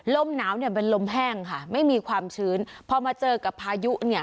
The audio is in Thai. ลมหนาวเนี่ยเป็นลมแห้งค่ะไม่มีความชื้นพอมาเจอกับพายุเนี่ย